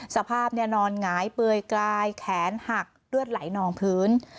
สภาพนอนหงายเปลือยกลายแขนหักเลือดไหลนองพื้น